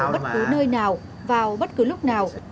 bất cứ nơi nào vào bất cứ lúc nào